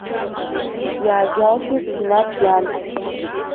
Иааџьалшьеит синаҭ иан.